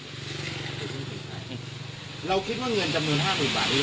เราคิดว่าเงินจำนวนห้าหมื่นบาทนี่เราจะได้คืนหรือครับ